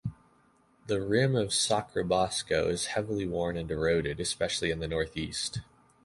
The rim of Sacrobosco is heavily worn and eroded, especially in the northeast.